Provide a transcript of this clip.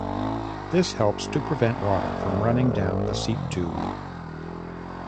This helps to prevent water from running down the seat tube.